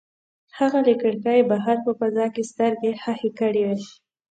هغه له کړکۍ بهر په فضا کې سترګې ښخې کړې وې.